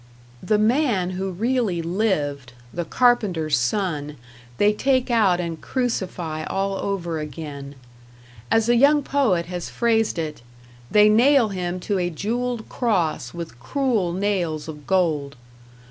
The man who really lived, the carpenter's son, they take out and crucify all over again. As a young poet has phrased it, they nail him to a jeweled cross with cruel nails of gold.